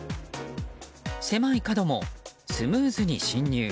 狭い角もスムーズに進入。